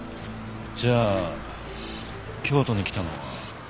じゃあ京都に来たのは？